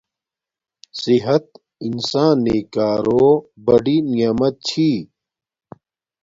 صحت انسان نݵ کارو بڑی نعمت چھی